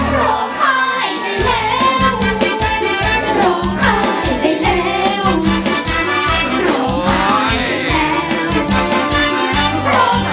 ร้องไห้ได้แล้ว